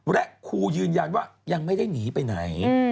และครูยืนยันว่ายังไม่ได้หนีไปไหน